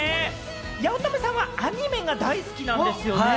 八乙女さんはアニメが大好きなんですよね？